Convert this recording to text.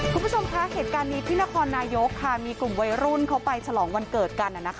คุณผู้ชมคะเหตุการณ์นี้ที่นครนายกค่ะมีกลุ่มวัยรุ่นเขาไปฉลองวันเกิดกัน